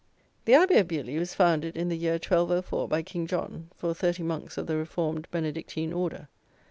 The Abbey of Beaulieu was founded in the year 1204, by King John, for thirty monks of the reformed Benedictine Order.